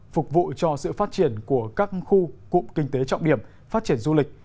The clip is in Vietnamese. phục vụ cho sự phát triển của các khu cụm kinh tế trọng điểm phát triển du lịch